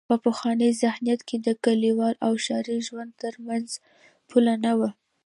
په پخواني ذهنیت کې د کلیوال او ښاري ژوند تر منځ پوله نه وه.